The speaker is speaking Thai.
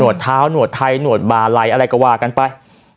เท้าหนวดไทยหนวดบาลัยอะไรก็ว่ากันไป